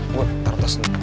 gue taruh tos dulu